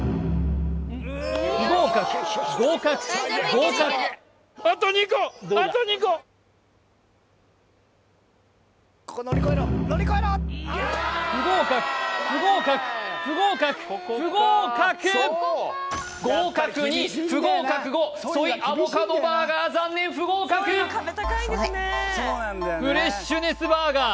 不合格合格合格不合格不合格不合格不合格ソイアボカドバーガー残念不合格フレッシュネスバーガー